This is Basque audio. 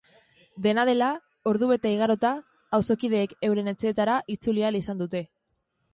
Dena dela, ordubete igarota, auzokideek euren etxeetara itzuli ahal izan dute.